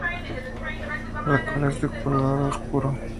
La cola es de color oscuro.